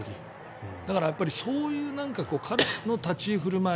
だからそういう彼の立ち振る舞い。